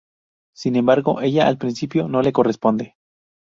Sin embargo, ella al principio no le corresponde.